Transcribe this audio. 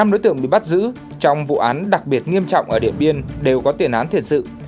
năm đối tượng bị bắt giữ trong vụ án đặc biệt nghiêm trọng ở điện biên đều có tiền án tiền sự